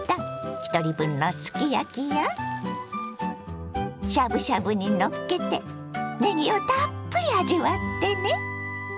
ひとり分のすき焼きやしゃぶしゃぶにのっけてねぎをたっぷり味わってね！